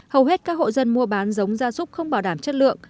hầu hết các hộ dân mua bán giống gia súc không bảo đảm chất lượng